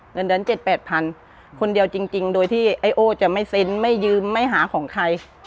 เดือนดันเจ็ดแปดพันคนเดียวจริงโดยที่ไอ้โอ้จะไม่เซ็นไม่ยืมไม่หาของใคร